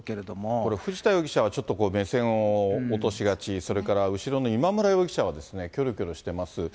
これ、藤田容疑者はちょっと目線を落としがち、それから後ろの今村容疑者はきょろきょろしてます。